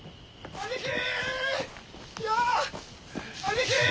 兄貴！